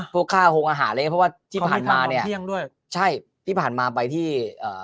พวกค่าโฆหาเลยเพราะว่าที่ผ่านมาเนี่ยพี่ผ่านมาไปที่เอ่อ